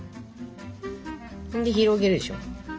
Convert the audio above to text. で広げるでしょ。